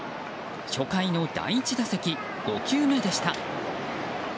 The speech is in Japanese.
初回の第１打席、５球目でした。